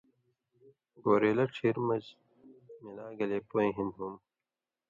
گوریلو ڇھیرہ مژ ملا گلے پویں ہِن ہُم